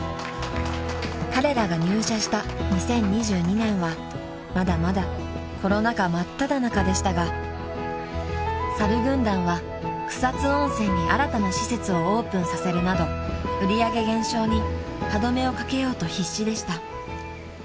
［彼らが入社した２０２２年はまだまだコロナ禍真っただ中でしたがさる軍団は草津温泉に新たな施設をオープンさせるなど売り上げ減少に歯止めをかけようと必死でした］